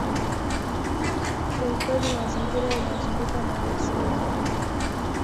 Kuhifadhi mazingira yanayozunguka maliasili zake